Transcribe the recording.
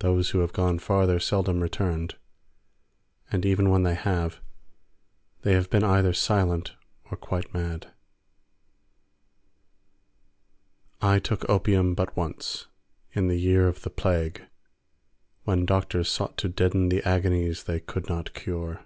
Those who have gone farther seldom returned, and even when they have, they have been either silent or quite mad. I took opium but once—in the year of the plague, when doctors sought to deaden the agonies they could not cure.